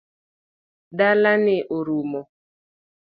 Dala ni orumo .